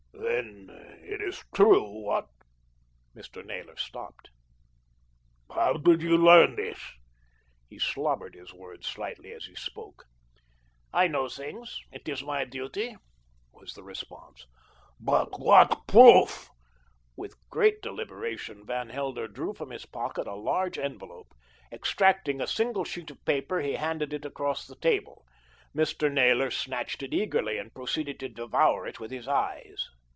"Then it is true what " Mr. Naylor stopped. "How did you learn this?" He slobbered his words slightly as he spoke. "I know things, it is my duty," was the response. "But what proof ?" With great deliberation Van Helder drew from his pocket a large envelope; extracting a single sheet of paper he handed it across the table. Mr. Naylor snatched it eagerly and proceeded to devour it with his eyes.